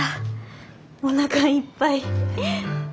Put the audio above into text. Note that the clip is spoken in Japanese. おなかいっぱい。